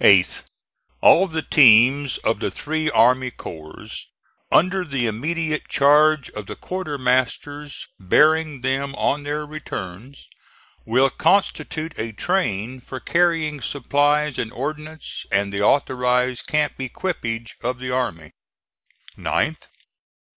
Eighth. All the teams of the three army corps, under the immediate charge of the quartermasters bearing them on their returns, will constitute a train for carrying supplies and ordnance and the authorized camp equipage of the army. Ninth.